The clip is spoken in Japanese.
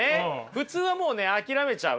普通はもうね諦めちゃう。